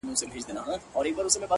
هره ورځ د نوې نسخې په شان ده